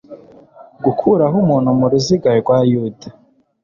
gukuraho umuntu muruziga rwa Yuda